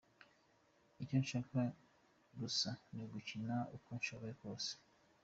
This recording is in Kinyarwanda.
"Icyo nshaka gusa ni ugukina uko nshoboye kose.